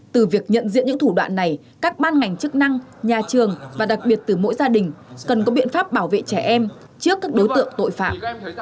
từ việc nhận diện những thủ đoạn này các ban ngành chức năng nhà trường và đặc biệt từ mỗi gia đình cần có biện pháp bảo vệ trẻ em trước các đối tượng tội phạm